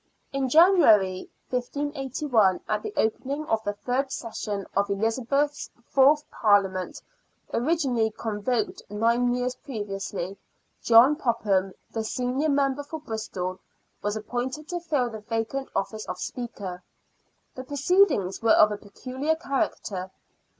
In January, 1581, at the opening of the third Session of EHzabeth's fourth Parhament — originally convoked nine years previously — John Popham, the senior Member for Bristol, was appointed to fill the vacant office of Speaker. The proceedings were of a pecuhar character.